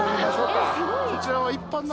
こちらは。